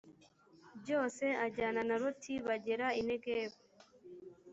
byose ajyana na loti bagera i negebu